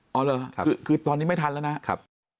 เหรอคือตอนนี้ไม่ทันแล้วนะครับ